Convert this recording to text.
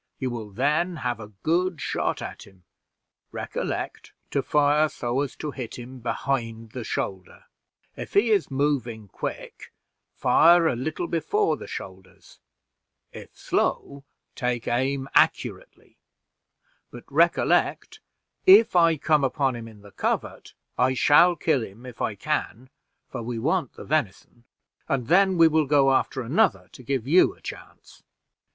You will then have a good shot at him; recollect to fire so as to hit him behind the shoulder: if he is moving quick, fire a little before the shoulders; if slow, take aim accurately; but recollect, if I come upon him in the covert, I shall kill him if I can, for we want the venison, and then we will go after another to give you a chance."